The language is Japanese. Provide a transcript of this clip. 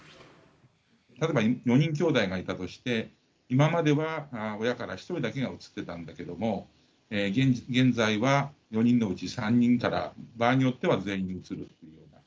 例えば４人きょうだいがいたとして、今までは親から１人だけがうつっていたんだけども、現在は、４人のうち３人から、場合によっては全員にうつるというような。